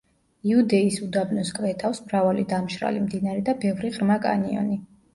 იუდეის უდაბნოს კვეთავს მრავალი დამშრალი მდინარე და ბევრი ღრმა კანიონი.